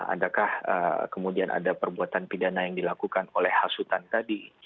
adakah kemudian ada perbuatan pidana yang dilakukan oleh hasutan tadi